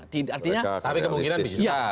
tapi kemungkinan bisa